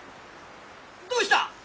どうした？